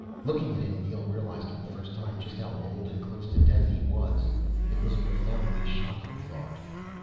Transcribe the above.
Looking at him, Neel realized for the first time just how old and close to death he was. It was a profoundly shocking thought.